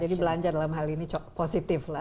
jadi belanja dalam hal ini positif lah